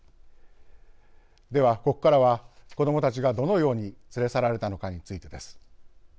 ではここからは子どもたちがどのように連れ去られたのかについてです。